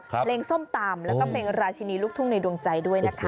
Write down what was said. เพลงส้มตำแล้วก็เพลงราชินีลูกทุ่งในดวงใจด้วยนะคะ